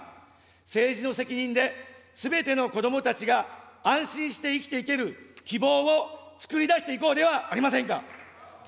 政治の責任で、すべての子どもたちが安心して生きていける希望を作り出していこうではありませんか。